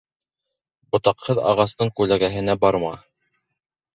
Ботаҡһыҙ ағастың күләгәһенә барма.